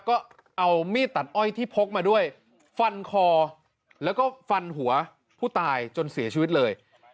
ก็เอามีดตัดอ้อยที่พกมาด้วยฟันคอแล้วก็ฟันหัวผู้ตายจนเสียชีวิตเลย